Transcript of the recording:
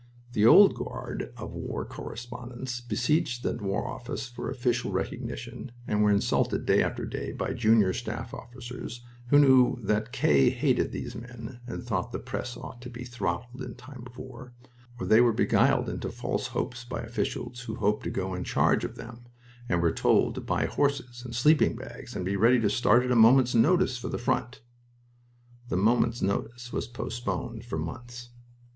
The Old Guard of war correspondents besieged the War Office for official recognition and were insulted day after day by junior staff officers who knew that "K" hated these men and thought the press ought to be throttled in time of war; or they were beguiled into false hopes by officials who hoped to go in charge of them and were told to buy horses and sleeping bags and be ready to start at a moment's notice for the front. The moment's notice was postponed for months....